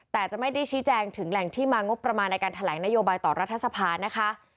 แต่จะไม่ได้ชี้แจงถึงแหล่งที่มางบประมาณในการแถลงนโยบายต่อรัฐสภานะคะ